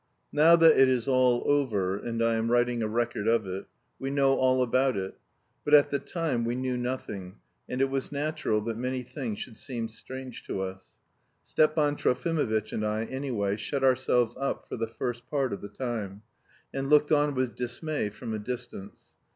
Now that it is all over and I am writing a record of it, we know all about it; but at the time we knew nothing, and it was natural that many things should seem strange to us: Stepan Trofimovitch and I, anyway, shut ourselves up for the first part of the time, and looked on with dismay from a distance.